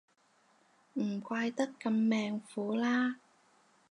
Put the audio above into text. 唔怪得咁命苦啦